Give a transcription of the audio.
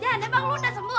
jan emang lo udah sembuh